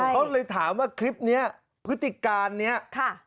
เขาเลยถามว่าคลิปนี้พฤติการนี้ค่ะ